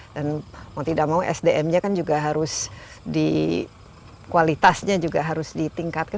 dan mau tidak mau sdm nya kan juga harus di kualitasnya juga harus ditingkatkan